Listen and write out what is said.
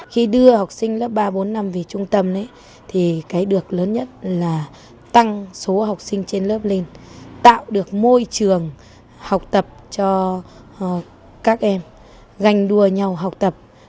khi đưa học sinh lớp ba bốn năm về trung tâm thì cái được lớn nhất là tăng số học sinh trên lớp lên tạo được môi trường học tập cho các em ganh đua nhau học tập